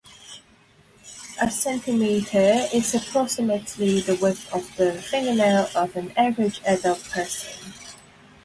A centimetre is approximately the width of the fingernail of an average adult person.